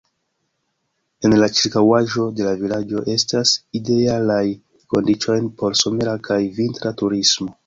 En la ĉirkaŭaĵo de la vilaĝo estas idealaj kondiĉojn por somera kaj vintra turismo.